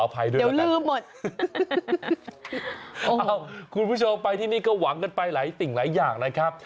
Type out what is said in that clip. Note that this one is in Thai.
ขออภัยด้วยแล้วกันนะครับคุณผู้ชมไปที่นี่ก็หวังกันไปหลายติ่งหลายอย่างนะครับ